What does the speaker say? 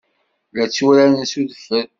La tturaren s udfel.